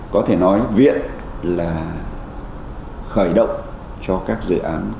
có thể nói viện là khởi động cho các dự án